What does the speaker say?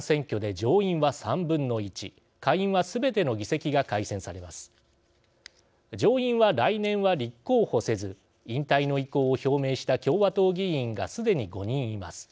上院は、来年は立候補せず引退の意向を表明した共和党議員がすでに５人います。